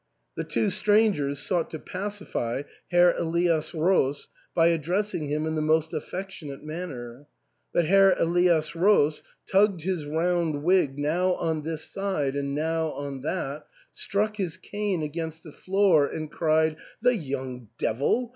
The two strangers sought to pacify Herr Elias Roos by addressing him in the most affectionate man ner ; but Herr Elias Roos tugged his round wig now on this side and now on that, struck his cane against the floor, and cried, " The young devil